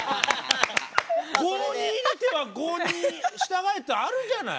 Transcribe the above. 郷に入っては郷に従えってあるじゃない。